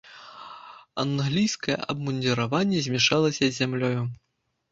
Англійскае абмундзіраванне змяшалася з зямлёю.